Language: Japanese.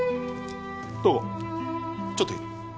瞳子ちょっといい？